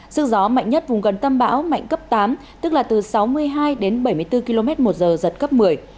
sức gió mạnh nhất vùng gần tâm bão mạnh cấp tám tức là từ sáu mươi hai đến bảy mươi bốn km một giờ giật cấp một mươi